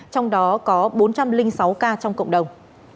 trong đó có bốn trăm linh sáu ca trong cộng đồng